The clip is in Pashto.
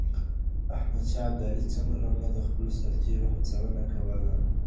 احمد شاه ابدالي څنګه د خپلو سرتېرو هڅونه کوله؟